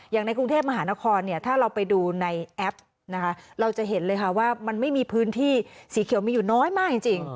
อย่างในกรุงเทพมหานครเนี่ยถ้าเราไปดูในแอปนะคะเราจะเห็นเลยค่ะว่ามันไม่มีพื้นที่สีเขียวมีอยู่น้อยมากจริง